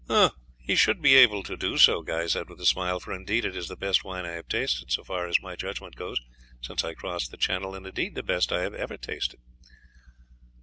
"He should be able to do so," Guy said with a smile, "for indeed it is the best wine I have tasted, so far as my judgment goes, since I crossed the Channel, and indeed the best I have ever tasted."